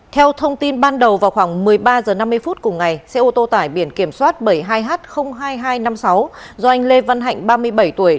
theo thông tin ban đầu vào khoảng một mươi ba h năm mươi phút cùng ngày xe ô tô tải biển kiểm soát bảy mươi hai h hai nghìn hai trăm năm mươi sáu do anh lê văn hạnh ba mươi bảy tuổi